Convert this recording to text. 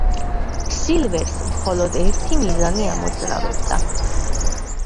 სილვერს მხოლოდ ერთი მიზანი ამოძრავებდა.